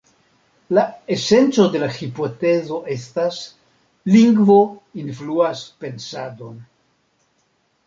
La esenco de la hipotezo estas: "lingvo influas pensadon".